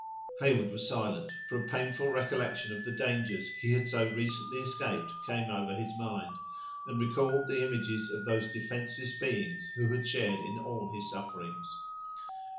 Heyward was silent; for a painful recollection of the dangers he had so recently escaped came over his mind, and recalled the images of those defenseless beings who had shared in all his sufferings.